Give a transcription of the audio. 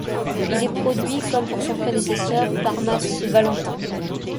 Il est produit, comme pour son prédécesseur, par Mats Valentin.